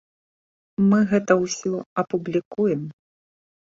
Мы гэта ўсё апублікуем.